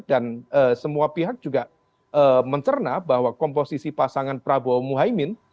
dan semua pihak juga mencerna bahwa komposisi pasangan prabowo muhyiddin